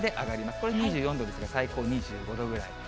これ２４度ですが、最高２５度くらい。